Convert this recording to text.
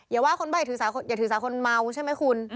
อย่าว่าคนใบ้อย่าถือสาคนเมาใช่ไหมคุณ